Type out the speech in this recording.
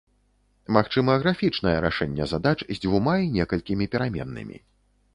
Магчыма графічнае рашэнне задач з дзвюма і некалькімі пераменнымі.